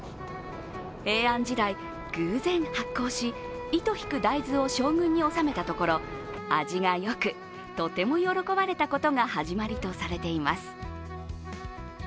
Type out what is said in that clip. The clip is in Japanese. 平安時代、偶然発酵し、糸引く大豆を将軍に納めたところ味がよく、とても喜ばれたことが始まりとされています。